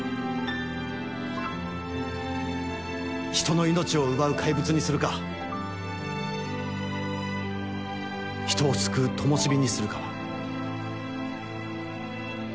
人の命を奪う怪物にするか人を救う灯火にするかは。